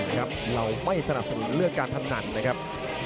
เราไม่สนับหลุมเลือกการหันหันนะครับ